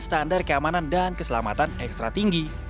standar keamanan dan keselamatan ekstra tinggi